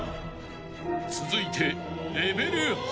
［続いて］